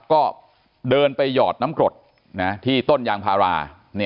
ก็เดินไปหยอดน้ำกรดที่ต้นยางพารา